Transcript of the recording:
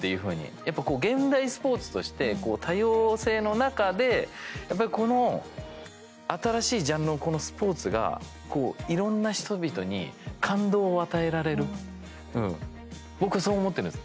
やっぱり現代スポーツとして多様性の中で新しいジャンルのスポーツがいろんな人々に感動を与えられる僕はそう思っているんです。